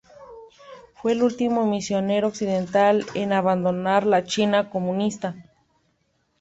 Fue el último misionero occidental en abandonar la China comunista.